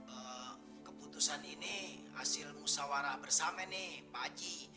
eh keputusan ini hasil musyawarah bersama nih pak haji